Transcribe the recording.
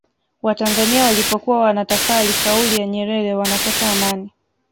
watanzania walipokuwa wanatafali kauli ya nyerere wanakosa amani